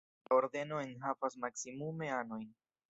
La Ordeno enhavas maksimume anojn.